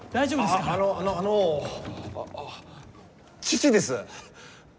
あのあのあの父です。